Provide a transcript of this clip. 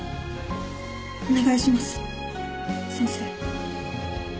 お願いします先生